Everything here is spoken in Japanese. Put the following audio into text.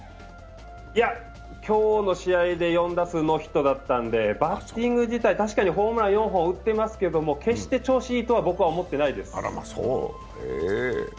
いや、今日の試合で４打数ノーヒットだったんでバッティング自体、確かにホームラン４本打ってますけど決して調子いいとは僕は思ってないです。